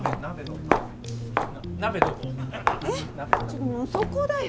ちょっともう、そこだよ！